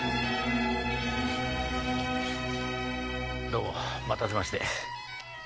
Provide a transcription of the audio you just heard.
どうも待たせまして。